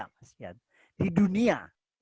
tapi juga di dunia